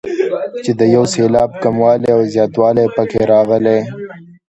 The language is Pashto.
چې د یو سېلاب کموالی او زیاتوالی پکې راغلی.